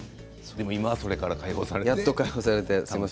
今はそれから解放されて。